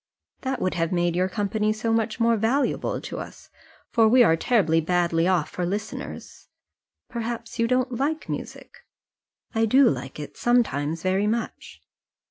"That would have made your company so much more valuable to us, for we are terribly badly off for listeners. Perhaps you don't like music?" "I do like it, sometimes very much."